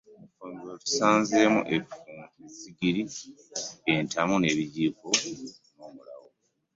Mu ffumbiro tusangamu essigiri, entamu ebijjiko n'omulawo.